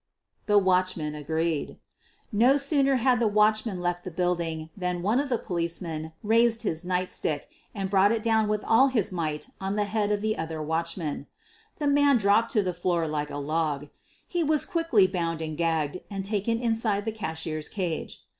The watchmen agreed. No sooner had the watchman left the building than one of the policemen raised his nightstick and Drought it down with all his might on the head of the other watchman. The man dropped to the floor like a log. He was quickly bound and gagged and taken inside the cashier's cage.